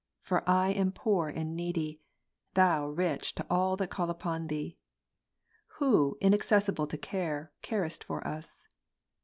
For lam poor and needy, Thou rich to all Ps. 86, l. that call upon Thee ; Who, inaccessible to care, carest for us.